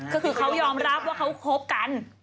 ก็คือเขายอมรับว่าเขาคบกัน